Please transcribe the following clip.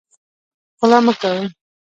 غلا مه کوئ